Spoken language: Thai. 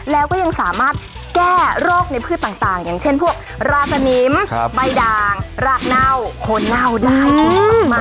แล้วก็ยังสามารถแก้โรคในพืชต่างอย่างเช่นพวกราสนิมใบด่างรากเน่าโคนเน่าได้ดีมาก